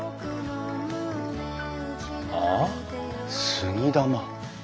杉玉？